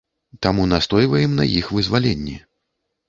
Таму настойваем на іх вызваленні.